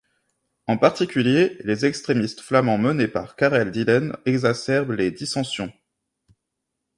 En particulier, les extrémistes flamands menés par Karel Dillen exacerbèrent les dissensions.